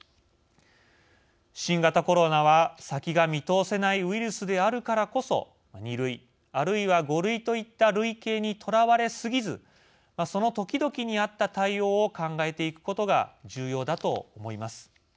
新型コロナは先が見通せないウイルスであるからこそ２類、あるいは５類といった類型にとらわれ過ぎずその時々にあった対応を考えていくことが重要だと思います。